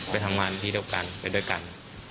ไปทำงานที่เดียวกันไปด้วยกัน